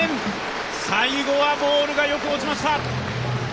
最後はボールがよく落ちました。